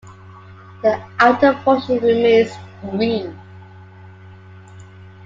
The outer portion remains green.